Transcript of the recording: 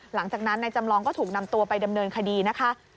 หลังจากนั้นนายจำลองก็ถูกนำตัวไปดำเนินคดีนะคะ